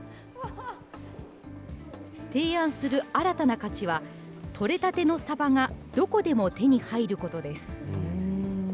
提案する新たな価値は、取れたてのサバがどこでも手に入ることです。